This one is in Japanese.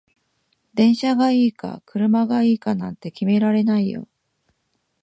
電車がいいか車がいいかなんて決められないよ